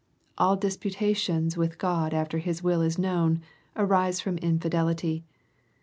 " All disputations with God after His will is known, arise from infidelity.